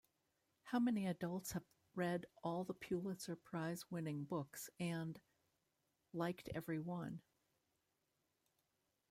How many adults have read all the Pulitzer-prize-winning books and ... liked every one?